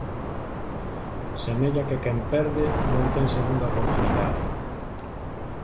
Semella que quen perde non ten segunda oportunidade.